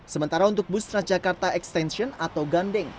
sementara untuk bustras jakarta extension atau gande